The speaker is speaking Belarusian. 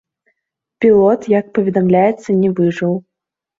Пілот, як паведамляецца, не выжыў.